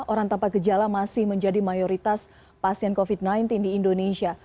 orang tanpa gejala masih menjadi mayoritas pasien covid sembilan belas di indonesia